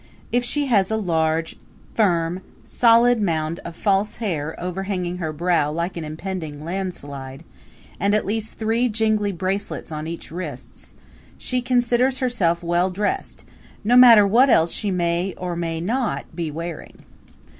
If she has a large, firm, solid mound of false hair overhanging her brow like an impending landslide, and at least three jingly bracelets on each wrist, she considers herself well dressed, no matter what else she may or may not be wearing.